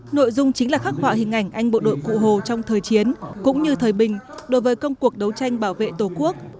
nội dung chính là khắc họa hình ảnh anh bộ đội cụ hồ trong thời chiến cũng như thời bình đối với công cuộc đấu tranh bảo vệ tổ quốc